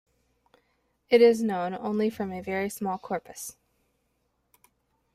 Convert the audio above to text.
It is known only from a very small corpus.